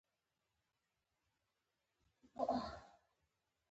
بدرنګه خوی له تورو فکرونو ډک وي